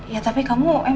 ya tapi kamu emang